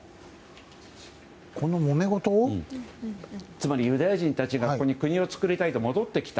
つまりユダヤ人たちがここに国を作りたいと戻ってきた。